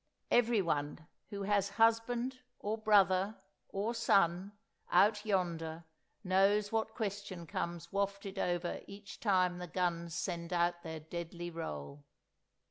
Every one who has husband or brother or son out yonder knows what question comes wafted over each time the guns send out their deadly roll.